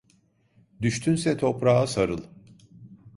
Düştünse toprağa sarıl.